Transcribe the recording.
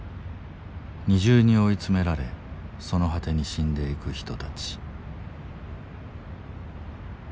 二重に追い詰められその果てに死んでいく人たち。